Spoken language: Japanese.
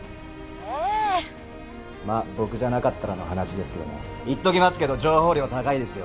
☎ええ僕じゃなかったらの話ですけどね言っときますけど情報料高いですよ